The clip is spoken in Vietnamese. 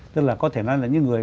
tức là có thể nói là những người